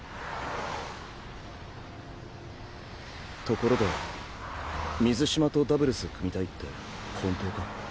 ところで水嶋とダブルス組みたいって本当か？